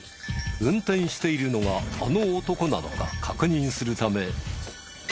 運転しているのがあの男なのか確認するため。